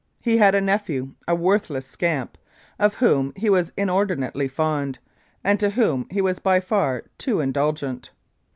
He had a nephew, a worthless scamp, of whom he was in ordinately fond, and to whom he was by far too indulgent.